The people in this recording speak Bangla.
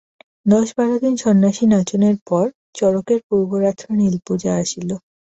দশ বারো দিন সন্ন্যাসী-নাচনের পর চড়কের পূর্বরাত্রে নীলপূজা আসিল।